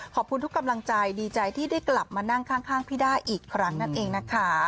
ขอบคุณทุกกำลังใจดีใจที่ได้กลับมานั่งข้างพี่ด้าอีกครั้งนั่นเองนะคะ